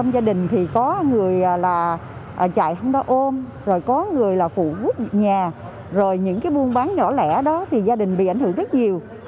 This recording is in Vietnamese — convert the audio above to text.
gia đình thì có người là chạy không đo ôm rồi có người là phụ quốc nhà rồi những cái buôn bán nhỏ lẻ đó thì gia đình bị ảnh hưởng rất nhiều